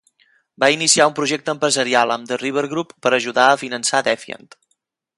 Va iniciar un projecte empresarial amb The River Group per ajudar a finançar Defiant.